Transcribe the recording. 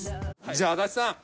じゃあ足立さん